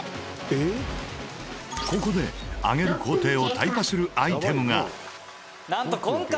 ここで揚げる工程をタイパするアイテムが。